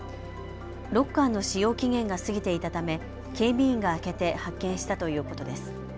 ロッカーの使用期限が過ぎていたため警備員が開けて発見したということです。